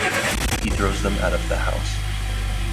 He throws them out of the house.